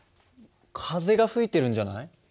風が吹いてるんじゃない？